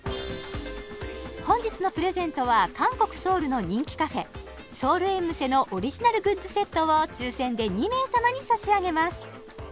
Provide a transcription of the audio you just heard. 本日のプレゼントは韓国ソウルの人気カフェソウルエンムセのオリジナルグッズセットを抽せんで２名様に差し上げます